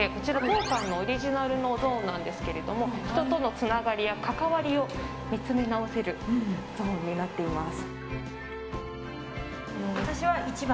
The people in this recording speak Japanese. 当館オリジナルのゾーンなんですけど人とのつながりや関わりを見つめ直せるゾーンになっています。